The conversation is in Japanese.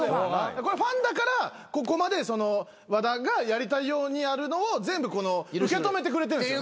これファンだからここまで和田がやりたいようにやるのを全部受け止めてくれてんすよね。